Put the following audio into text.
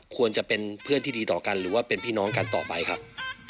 ควรจะเป็นเพื่อนที่ดีต่อกันหรือว่าเป็นพี่น้องกันต่อไปครับ